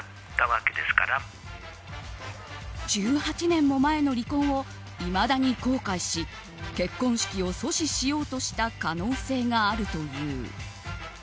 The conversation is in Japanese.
１８年も前の離婚をいまだに後悔し結婚式を阻止しようとした可能性があるという。